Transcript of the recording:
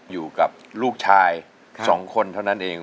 อยู่กับลูกชาย๒คนเท่านั้นเอง